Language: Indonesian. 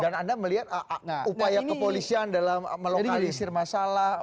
dan anda melihat upaya kepolisian dalam melokalisir masalah